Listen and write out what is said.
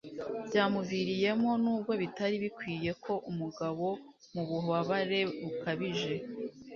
byamuviriyemo. nubwo bitari bikwiye ko umugabo mububabare bukabije